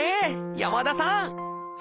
山田さん